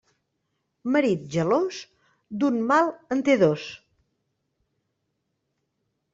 Marit gelós, d'un mal en té dos.